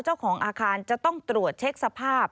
เจ้าของอาคารจะต้องตรวจเช็คสภาพ